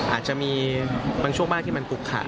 อาจจะมีบางช่วงบ้านที่มันกุกค่ะ